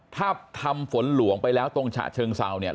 ถ้าทำฝนหลวงไปแล้วตรงฉะเชิงเซาเนี่ย